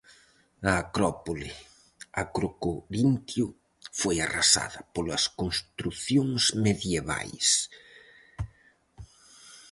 A acrópole, Acrocorintio, foi arrasada polas construcións medievais.